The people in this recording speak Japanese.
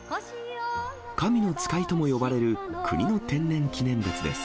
神の使いとも呼ばれる、国の天然記念物です。